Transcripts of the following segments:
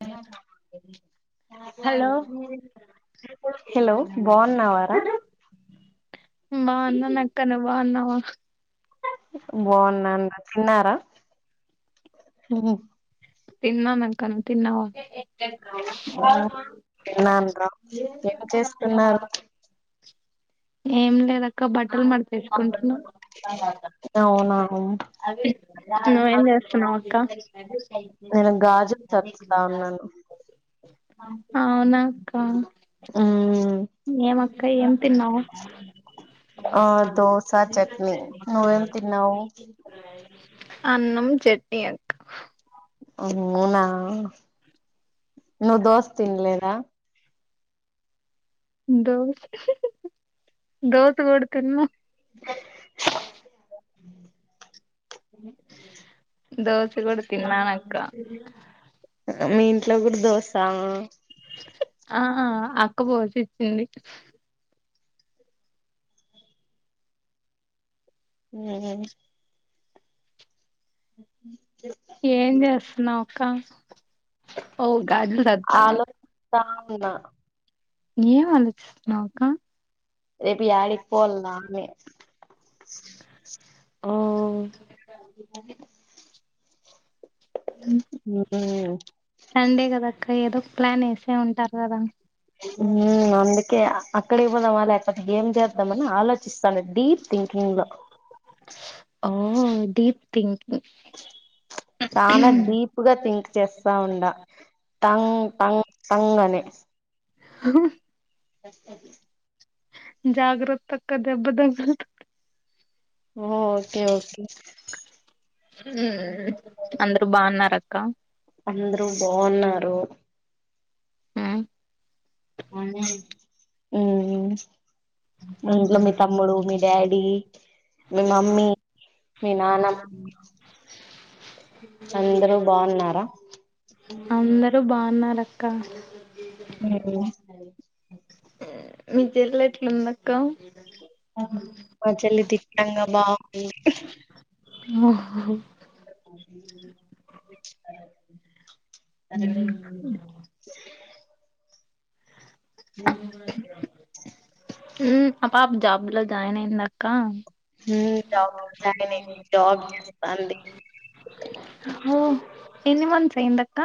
[unintelligible] Hello మాట్లాడచ్చు మరి hello బాగున్నావారా. బావున్నాను అక్కా. నువ్వు బావున్నావా? బావున్నానురా, తిన్నారా? తిన్నాను అక్కా. నువ్వు తిన్నవా? తిన్నానురా. ఏం చేస్తున్నారు? ఏం లేదు అక్కా బట్టలు మడతెట్టుకుంటున్నాను. అవునా నువ్వేం చేస్తున్నావు అక్కా. నేను గాజులు చదువుతా ఉన్నాను అవునా అక్క. మ్మ్ ఏం అక్క? ఏం తిన్నావు? ఆ దోసా చట్నీ. నువ్వెం తిన్నావు? అన్నం చెెట్నీ అక్క. అవునా నువ్వు దోస తినలేదా. దోస దోస కూడ తిన్నా. దోస కూడ తిన్నాను అక్క. మీ ఇంట్లో కూడా దోసా? ఆ అక్క పోసిచ్చింది. హ హ్ ఏం చేస్తున్నావు అక్క? ఓ గాడ్దులు కాత్తం. ఆలో తా ఉన్నా ఏం ఆలోచిస్తున్నావు అక్క? రేపు యాడకి పోవల్నా అని. ఓ అవు ఒకా ఇంక ఏదో ఒక ప్లాన్ వేసే ఉంటారు కదా. హ్ అందుకే అ అక్కడే పోదామా లేకపోతే ఏం చేద్దామని ఆలోచిస్తాన్నా డీప్ థింకింగ్ లో. ఆహా [unintelligible] చాన డీప్ గా థింక్ చేస్తా ఉండ టంగ్ టంగ్ అని సస్ జాగ్రతక్కదెబ్బ [unintelligible] ఓకే ఓకే హు అందరూ బాన్నర అక్క అందరు బన్నారు ఉ మీ ఇంట్లో తమ్ముడు మీ డాడీ [unintelligible] మీ మమ్మీ మీ నాన్న అందరు బన్నార [unintelligible] రక్క అ మీ చెల్లి ఎట్లుందక్క మ చెల్లి దిట్టంగ బాగుంది [unintelligible] ఉ ఆ పాప జాబ్లో జాయిన్ అయిందక్క ఉమ్ జాబ్ లో జాయిన్ డౌన్ అయింది జాబ్ చేస్తాంది ఓ ఎన్ని మంత్సార్ అయ్యింది అక్క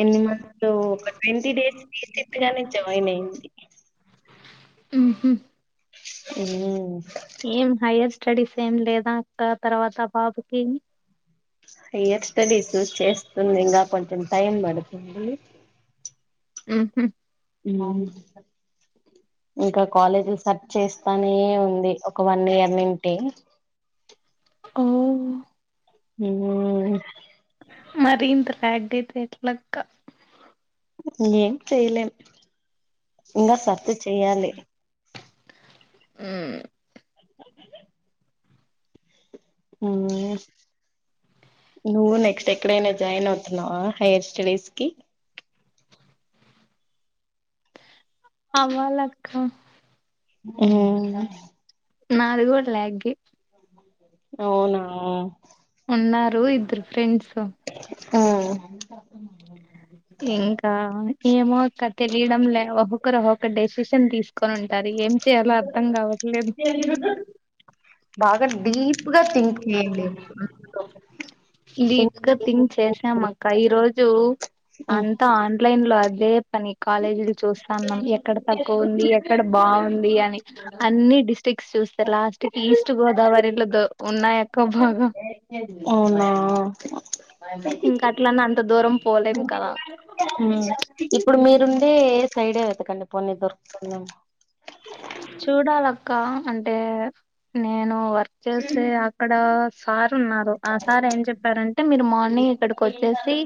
ఎన్ని మంతు ఒక ట్వంటీ డేస్ [unintelligible] జాయిన్ అయింది ఉ హు ఉ హైయర్ స్టడీస్ ఏం లేద అక్క తర్వాత ఆ పాప కి హై్యర్ స్టడీస్ చేస్తుంది ఇంగ కొంచం టైమ్ పడుతుంది ఉ హు ఇంక కాలేజీలు సర్చ్ చేస్తానే ఉంది ఒక వన్ ఇయర్ నుంటి ఓ హు మరి ఇంత [unintelligible] అయితే ఎట్లక్క ఏం చెయలేం ఇంగ సర్చ్ చెయ్యాలి ఉ నువ్వు నెక్స్ట్ ఎక్కడైన జాయిన్ అవుతున్నావ హై్యర్ స్టడీస్కి కవలక్క ఉ నాది కూడ ల్యాగే అవునా ఉన్నారు ఇద్దరు ఫ్రెండ్స్ ఆ ఇంకా ఏమో అక్క తెలియడం లే ఒక్కొక్కరు ఒక్కొక్క డెసిషన్ తీసు కొని ఉంటారు ఏం చేయాలో అర్థం కావట్లేదు బాగా డీప్ గా థింక్ చేయండి డీప్ గా థింక్ చేసాం అక్క ఈ రోజు అంతా ఆన్లైన్ లో అదే పని కాలేజీలు చూస్తాన్నా ఎక్కడ తక్కువ ఉంది ఎక్కడ బాగుంది ఉంది అని అన్ని డిస్టి్రిక్ట్స్ చూస్తే లాస్ట్ కి ఈస్ట్ గోదావరిలో ఉన్నా ఎక్క బాగా అవునా ఇంక అట్లనే అంత దూరం పోలేం కదా ఇప్పుడు మీరుండే సైడే వెతకండి పోన్ని దొరుకుతుందమ చూడాలక్క అంటే నేను వర్క్ చేస్తే అక్కడ సార్ న్నారు ఆ సార్ ఏం చెప్పారంటే మీరు మార్నింగ్ ఇక్కడికి వచ్చేసి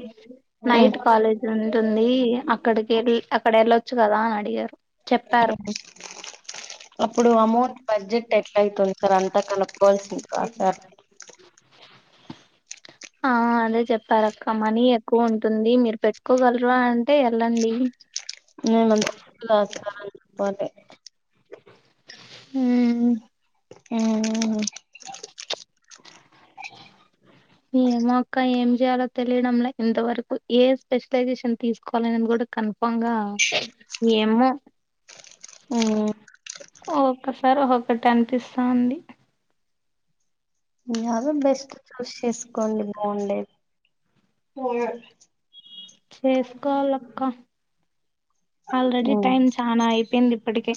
నైట్ కాలేజ్ ను ఉంటుంది అక్కడికి వెళ్ అక్కడ వెళ్ళొచ్చు కదా అన అవు అప్పుడు అమౌంట్ బడ్జెట్ ఎట్లా అయితుంది సార్ అంతా కనుక్కోవాల్సింది కా సార్ [inaudible] ఆ అదే చెప్పారక్క మనీ ఎక్కువ ఉంటుంది మీరు పెట్టుకోగలరు అంటే వెళ్ళండి [unintelligible] హ ఆ ఏమో అక్క ఏం చేయాలో తెలియడంలే ఇంతవరకు ఏ స్పెషలైజేషన్ తీసుకోవాలని కూడా అనుపంగా ఏమో ఆ ఒక్కోసారి ఒక్కోటి అనిపిస్తోంది ఇద బెస్ట్ చూస్ చేసుకోండి బాగుండేది చేసుకోలక్క చానా అయిపోయింది ఇప్పటికే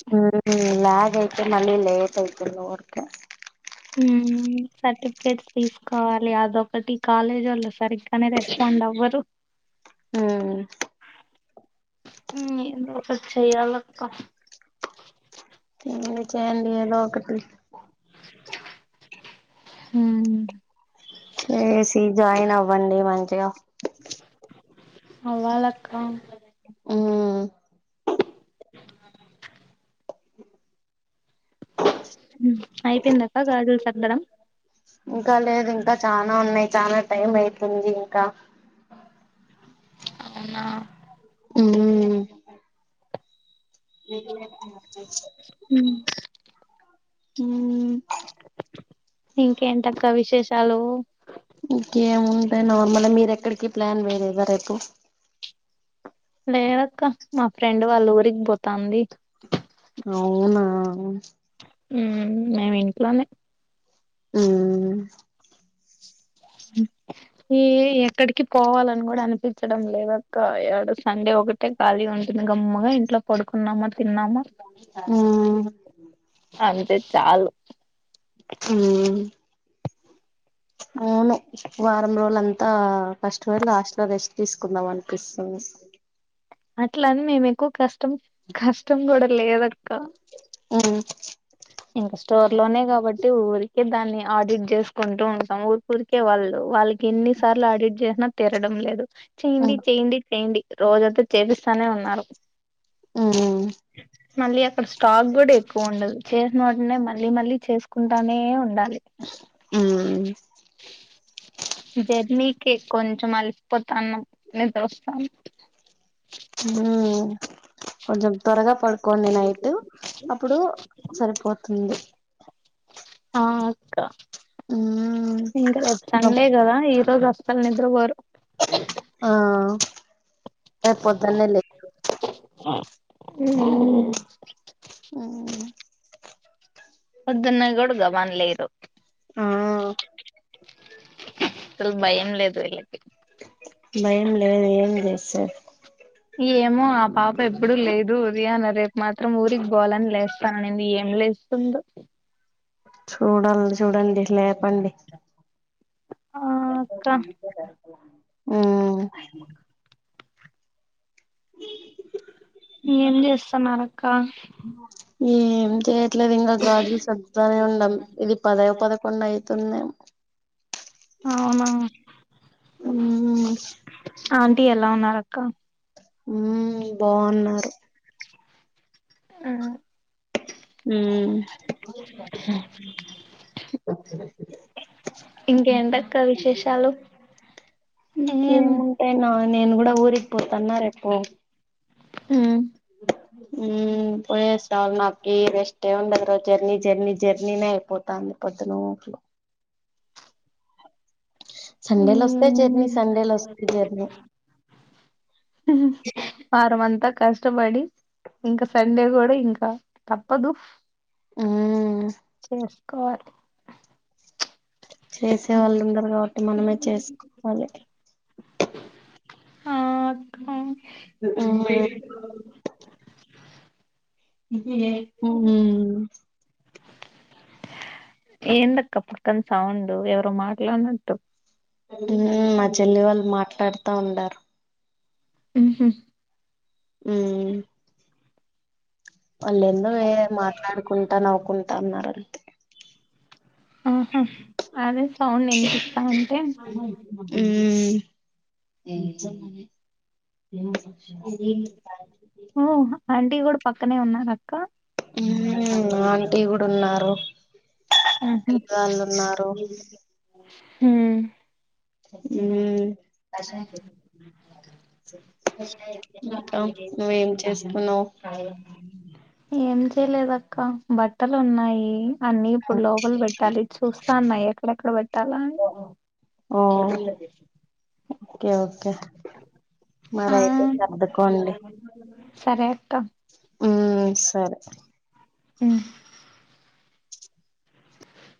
లాగ్ ఐతే మళ్ళీ లేట్ యితే ఊర్క సర్టిఫికేట్స్ తీసుకోవాలి అదొకటి కాలేజ్ వల్ల సరిగానే రెస్పాండ్ అవ్వదు హ నేను ఒకసారి చెయ్యలక్క ఎ చేడి ఏదోకటి హ ఏసి జాయిన్ అవ్వండి మంచిగా అ వాళ్ళక్క ఆ అయిపోయిందక్క గాజులు తగడం చ ఉన్నాయి చాలా టైమ్ అవుతుంది ఇంకా అవునా ఉ [inaudible] మ్మ్ ఉ ఇంకేంటి అక్క విశేషాలు ఇంకేం ఉంటాయ్ నార్మల్ గా మీరు ఎక్కడికి ప్లాన్ వేయలేదా రేపు లేవక్క మా ఫ్రెండ్ వాళ్ళు ఊరికిపోతాంది అవునా ఉమ్ మేమ్ ఇంట్లోనే ఉమ్ ఉమ్ యే ఎక్కడికి పోవాలని గూడా అనిపించడం లేదక్క యేడ సండే ఒకటే ఖాళీగా ఉం గమ్మగా ఇంట్లో పడుకున్నామా తిన్నామా ఉమ్ అది టే చాలు ఉమ్ అవును వారం రోజులంతా కష్టపడి లాస్ట్ లో రెస్ట్ తీసుకుందాం అనిపిస్తుంది [inaudible] అట్లా అని మేము ఎక్కువ క ష్టం కష్టం గూడా లేదక్క ఉమ్ ఇంకా స్టోర్ లోనే గాబట్టి ఊరికే దాన్ని ఆడిట్ జేసుకుంటూ ఉంటాం ఊరి ఊరికే వాళ్ళు వాళ్ళు ఇగ ఎన్ని సార్లు ఆడిట్ చేసినా తీరడం లేదు చెయ్యండి ఉమ్ చెయ్యండి చెయ్యండి రోజంతా చేపిస్తానే ఉన్నారు ఉమ్ మళ్ళీ అక్కడ స్టాక్ గూడా ఎక్కువ ఉండదు చేసిన వాటినే మళ్ళీ మళ్ళీ చేసుకుంటానే ఉండాలి ఉమ్ జర్నీ కి కొంచం అలిసిపోతాను నిద్ర వస్తోంది ఉమ్ కొంచెం త్వరగా పడుకోండి నైట్ అప్పుడు సరిపోతుంది ఆ అక్క ఉమ్ ఇంక రేప్ సండేగదా ఈరోజు వ అస్సల్ నిద్రబోరు ఆ రేపు పొద్దున్నే లేవా ఉమ్ పెద్దన్న గూడు గబాన్ లేరు ఆ అసల్ భయం లేదు వీళ్ళకి భయం లేదు ఏం లేదు అస్సల్ ఏమో ఆ పాప ఎప్పుడు లేదు ఉదయాన రేపు మాత్రం ఊరికి పోవాలని లేస్తాను అనింది ఏం లే లేస్తుందో చూడాలి చూడండి లేపండి ఆ అక్కా ఉమ్ [inaudible] ఏం చేస్తున్నారక్క ఏం జేత్ యట్లేదు ఇంగా గాజులు సర్దుత్తనే ఉన్నాం ఇది పదో పదకొండు అయితుందేమో అవునా ఉమ్ ఆంటీ ఎలా ఉన్నారు అక్క ఉమ్ బాగున్నారు ఉమ్ ఉమ్ [unintelligible] ఇంకేంటక్క విశేషాలు ఏం ఇంకేముంటయ్ నాన్న నేను గూడా ఊరికి పోతున్న రేపు హ్మ్ హ్మ్ పోయెసాల్నాకి రెస్టే ఉండదురా జర్నీ జర్నీ జర్నీనే అయిపోతా [unintelligible] సండేలొస్తే జర్నీ సండేలొస్తే జర్నీ వారం అంతా కష్టపడి ఇంకా సండే కూడా ఇంకా తప్పదు ఉమ్ చేసుకోవాలి చేసే వాళ్ళు ఉండరు కాబట్టి మనమే చేసుకోవాలి ఆ ఆ ఉమ్ ఏ ఏందక్క పక్కన సౌండు ఎవరో మాట్లాడినట్టు హ్మ్ మా చెల్లి వాళ్ళు మాట్లాడతా ఉండారు ఉహూ హ్మ్ వాళ్ళు ఎందో వే మాట్లాడుకుంటా నవ్వుకుంటా ఉన్నారాలూ ఆహా అదే సౌండ్ ఇనిపిస్తా ఉంటే హ్మ్ టీ కూడా పక్కనే ఉన్నారా ఆంటీ కూడా ఉన్నారు వాళ్ళు ఉన్నారు హ్మ్ హ్మ్ ఇంకా నువ్వేం చేస్తున్నావ్ ఏం చేయలేదు అక్క బట్టలు ఉన్నాయి అన్నీ ఇప్పుడు లోపల పెట్టాలి చూస్తాన్నా ఎక్కడెక్కడ పెట్టాలా అని ఆ ఓకే ఓకే ఆ మరైతే సర్దుకోండి సరే అక్క హ్మ్ సరే ఆ